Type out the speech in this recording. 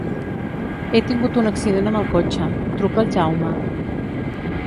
He tingut un accident amb el cotxe; truca al Jaume.